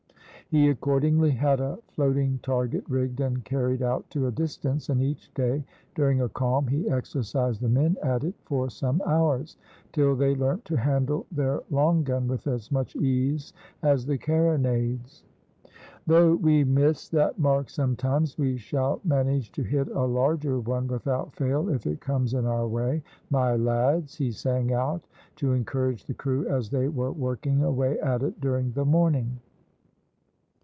He, accordingly, had a floating target rigged and carried out to a distance, and each day during a calm he exercised the men at it for some hours, till they learnt to handle their long gun with as much ease as the carronades. "Though we miss that mark sometimes, we shall manage to hit a larger one without fail if it comes in our way, my lads!" he sang out, to encourage the crew as they were working away at it during the morning.